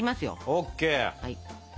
ＯＫ。